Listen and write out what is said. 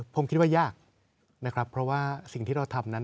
ผมคิดว่ายากนะครับเพราะว่าสิ่งที่เราทำนั้น